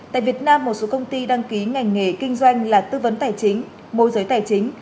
tại việt nam một số công ty đăng ký ngành nghề kinh doanh là tư vấn tài chính môi giới tài chính